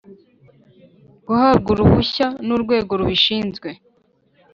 guhabwa uruhushya n urwego rubishinzwe